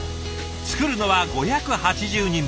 作るのは５８０人分。